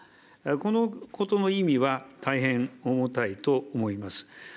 このことの意味は大変重たいと思います。